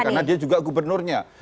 karena dia juga gubernurnya